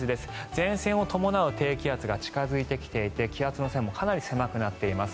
前線を伴う低気圧が近付いてきていて気圧の線もかなり狭くなっています。